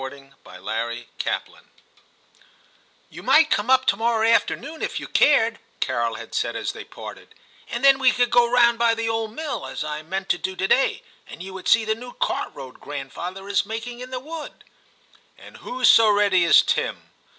Swinburne's lUcet •You m^ght come up to morrow afternoon, if you cared, * Carol had said as they parted, ' and then we could go round by the old mill, as I meant to do to day, and you would see the new cart road grandfather is making in the wood.' And who so ready as Tim!